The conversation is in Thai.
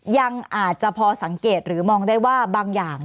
ยังอาจจะพอสังเกตหรือมองได้ว่าบางอย่าง